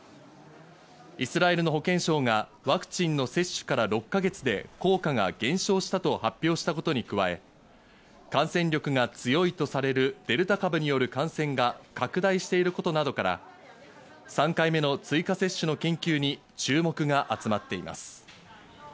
イスラエルの保健省がワクチンの接種から６か月で効果が減少したと発表したことに加え、感染力が強いとされるデルタ株による感染が拡大していることなどから、３回目の追加接種の研究に注目が集まっています。